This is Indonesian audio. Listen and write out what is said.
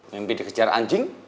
mimpi dikejar anjing